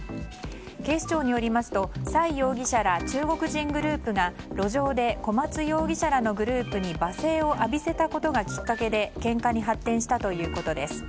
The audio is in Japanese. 警視庁によりますとサイ容疑者ら中国人グループが路上でコマツ容疑者らのグループに罵声を浴びせたことがきっかけでけんかに発展したということです。